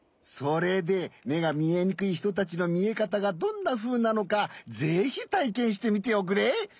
それでめがみえにくいひとたちのみえかたがどんなふうなのかぜひたいけんしてみておくれ！